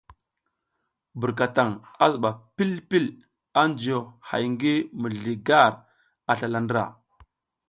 Birkataŋ a zuba pil pil a juyo hay ngi mizli gar ar slala ndra.